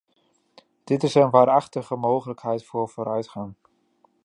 Dit is een waarachtige mogelijkheid voor vooruitgang.